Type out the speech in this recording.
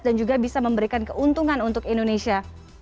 dan juga bisa memberikan keuntungan untuk indonesia